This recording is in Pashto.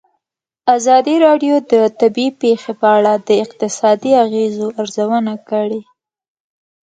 ازادي راډیو د طبیعي پېښې په اړه د اقتصادي اغېزو ارزونه کړې.